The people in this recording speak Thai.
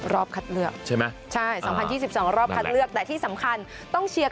รัฐทีวีช่อง๓๒ถ่ายทอด